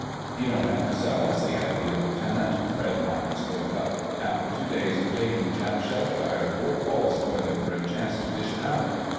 "You don't have to sell us the idea, Lieutenant," Fred Marmon spoke up. "After two days of taking Jap shellfire we're all spoiling for a chance to dish it out.